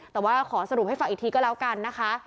แต่ว่าขอสรุปให้ฟังอีกทีก็แล้วกันนะคะ